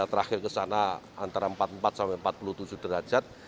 terakhir ke sana antara empat puluh empat sampai empat puluh tujuh derajat